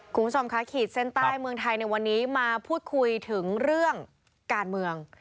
คุณผู้ชมค่ะขีดเส้นใต้เมืองไทยในวันนี้มาพูดคุยถึงเรื่องการเมือง